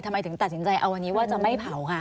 ทำไมถึงตัดสินใจเอาวันนี้ว่าจะไม่เผาคะ